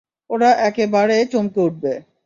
ওরা একেবারে চমকে উঠবে।